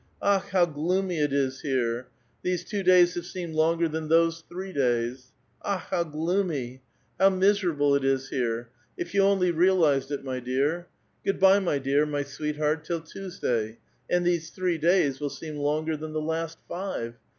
Akh ! how gloomy it is here ! These two days have seemed longer than those three days. Akh ! how gloomy ! How miserable it is here ; if you only realized it, my dear.^ (iood by, my dear, my sweetheart,* till Tuesday ; and these three days will seem longer than the last five.